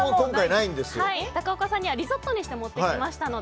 高岡さんにはリゾットにして持ってきました。